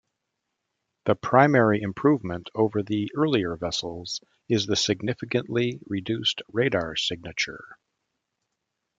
The primary improvement over the earlier vessels is the significantly reduced radar signature.